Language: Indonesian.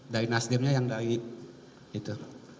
dinasdipnya yang dari itu